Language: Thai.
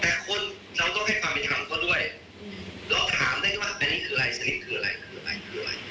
แต่เรามีสิทธิ์ไปหาคำว่าดีหรือไม่ดี